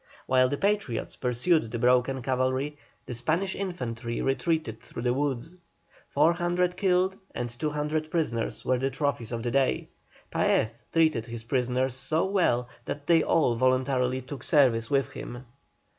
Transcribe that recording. While the Patriots pursued the broken cavalry the Spanish infantry retreated through the woods. Four hundred killed and two hundred prisoners were the trophies of the day. Paez treated his prisoners so well that they all voluntarily took service with him.